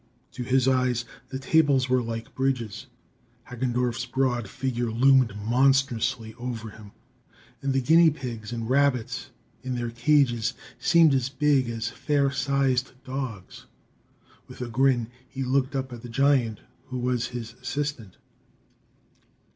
To his eyes, the tables were like bridges; Hagendorff's broad figure loomed monstrously over him, and the guinea pigs and rabbits in their cages seemed as big as fair sized dogs. With a grin, he looked up at the giant who was his assistant.